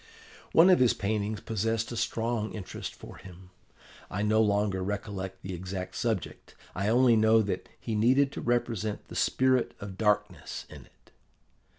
"One of his paintings possessed a strong interest for him. I no longer recollect the exact subject: I only know that he needed to represent the Spirit of Darkness in it.